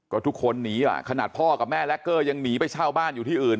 ก็ทุกคนหนีขนาดพ่อกับแม่แล็กเกอร์ยังหนีไปเช่าบ้านอยู่ที่อื่น